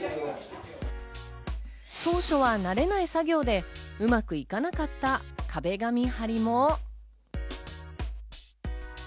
当初は慣れない作業で、うまくいかなかった壁紙張りも。